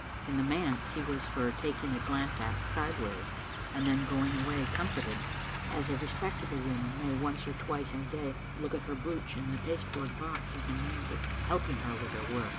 In the manse he was for tak i^g a glance at sideways and then going away com forted, as a respectable woman may once or twice in a day look at her brooch in the pasteboard box as a means of helping her with her work.